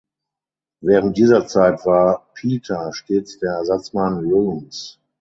Während dieser Zeit war Pieter stets der Ersatzmann Rooms.